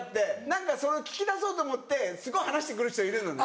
何かそれを聞き出そうと思ってすごい話してくる人いるのね。